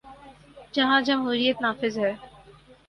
جہاں جمہوریت نافذ ہے۔